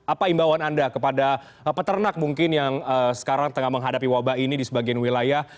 apa imbauan anda kepada peternak mungkin yang sekarang tengah menghadapi wabah ini di sebagian wilayah